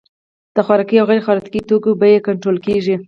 د خوراکي او غیر خوراکي توکو بیې کنټرول کیږي.